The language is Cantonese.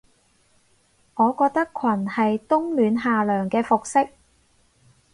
我覺得裙係冬暖夏涼嘅服飾